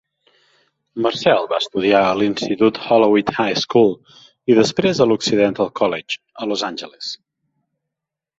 Marcel va estudiar a l'institut Hollywood High School, i després a l'Occidental College, a Los Angeles.